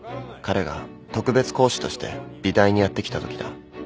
彼が特別講師として美大にやって来たときだ。